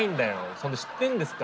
そんで知ってんですか？